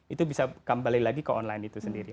itu bisa kembali lagi ke online itu sendiri